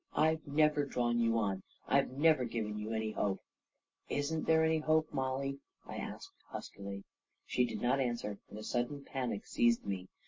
I've never drawn you on — I've never given you any hope I " u Istft there any hope, Mollie ?" I asked huskily. She did not answer, and a sudden panic seized me.